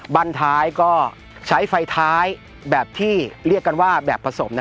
บ้านท้ายก็ใช้ไฟท้ายแบบที่เรียกกันว่าแบบผสม